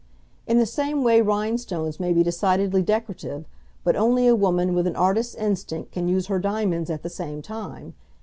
In the same way rhinestones may be decidedly decorative, but only a woman with an artist's instinct can use her diamonds at the same time.